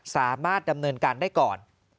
สามารถดำเนินการได้ก่อน